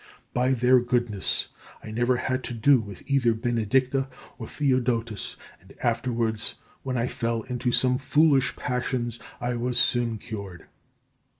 By their goodness I never had to do with either Benedicta or Theodotus; and afterwards, when I fell into some foolish passions, I was soon cured.